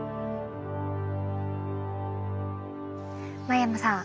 真山さん